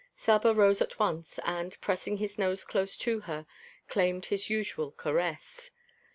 Saba rose at once and, pressing his nose close to her, claimed his usual caress.